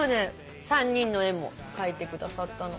３人の絵も描いてくださったの。